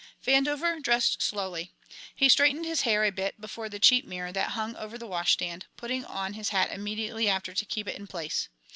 Vandover dressed slowly. He straightened his hair a bit before the cheap mirror that hung over the washstand, putting on his hat immediately after to keep it in place.